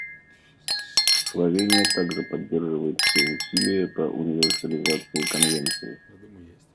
Словения также поддерживает все усилия по универсализации Конвенции.